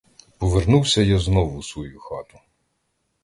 Повернувся я знов у свою хату.